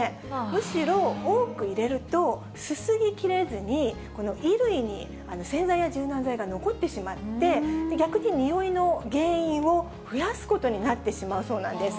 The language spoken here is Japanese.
むしろ、多く入れると、すすぎきれずに、この衣類に洗剤や柔軟剤が残ってしまって、逆ににおいの原因を増やすことになってしまうそうなんです。